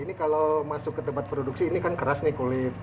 ini kalau masuk ke tempat produksi ini kan keras nih kulit